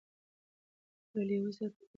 له لېوه سره په پټه خوله روان سو